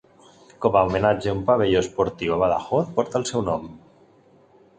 Com a homenatge, un pavelló esportiu a Badajoz porta el seu nom.